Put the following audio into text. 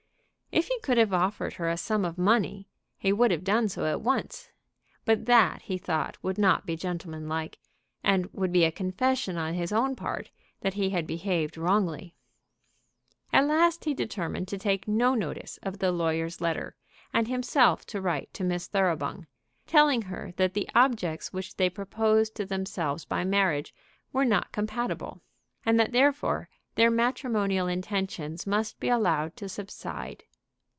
If he could have offered her a sum of money, he would have done so at once; but that he thought would not be gentleman like, and would be a confession on his own part that he had behaved wrongly. At last he determined to take no notice of the lawyers' letter, and himself to write to Miss Thoroughbung, telling her that the objects which they proposed to themselves by marriage were not compatible, and that therefore their matrimonial intentions must be allowed to subside.